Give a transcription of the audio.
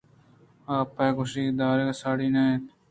آگپ ءِ گوش دارگ ءَ ساڑی نہ اِت اَنت